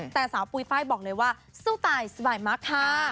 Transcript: แต่สาวปุ๋ยไฟล์บอกเลยว่าสู้ตายสบายมากค่ะ